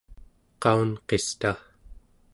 qaunqista